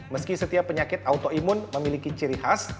meski setiap penyakit autoimun memiliki ciri khas